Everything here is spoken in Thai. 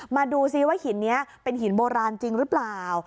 มาดูซิว่าหินนี้เป็นหินโบราณจริงหรือเปล่า